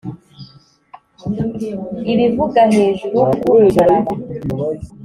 ibivuga hejuru ku bw’umusaraba